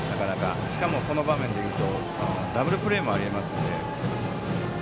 しかもこの場面でいうとダブルプレーもありますので。